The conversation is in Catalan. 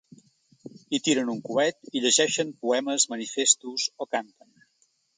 Hi tiren un coet i llegeixen poemes, manifestos o canten.